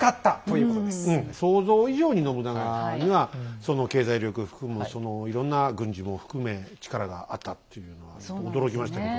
うん想像以上に信長には経済力含むそのいろんな軍事も含め力があったっていうのは驚きましたけど。